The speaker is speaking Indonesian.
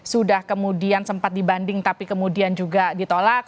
sudah kemudian sempat dibanding tapi kemudian juga ditolak